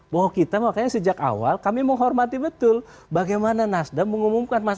bahwa kita makanya sejak awal kami menghormati betul bagaimana nasdaq mengumumkan mas anies